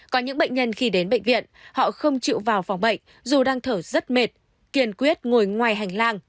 có những bệnh nhân khi đến bệnh viện họ không chịu vào phòng bệnh dù đang thở rất mệt kiên quyết ngồi ngoài hành lang